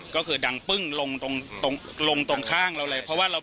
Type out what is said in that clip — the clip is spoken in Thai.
ก็คือดังปึ้งลงตรงข้างเราเลย